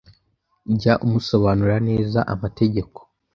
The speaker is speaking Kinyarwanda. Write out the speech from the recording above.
Jya umusobanurira neza amategeko